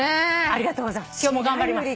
ありがとうございます。